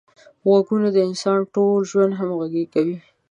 غوږونه د انسان ټول ژوند همغږي کوي